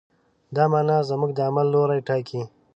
دا معنی زموږ د عمل لوری ټاکي.